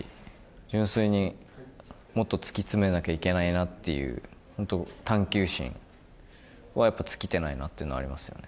純粋にもっと突き詰めなきゃいけないなっていう、本当探究心はやっぱり尽きてないなというのはありますよね。